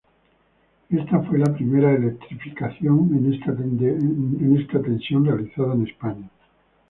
Esta fue la primera electrificación a esta tensión realizada en España.